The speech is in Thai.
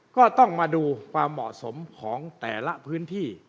ก็ต้องมาดูความเหมาะสมของแต่ละพื้นที่